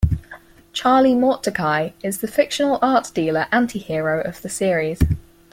Charlie Mortdecai is the fictional art dealer anti-hero of the series.